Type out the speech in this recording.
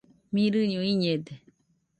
Mirɨño ɨnɨde.